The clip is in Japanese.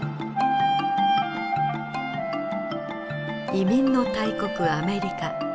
移民の大国アメリカ。